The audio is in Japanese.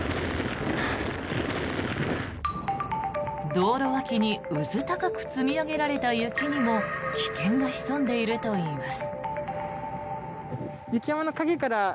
道路脇にうずたかく積み上げられた雪にも危険が潜んでいるといいます。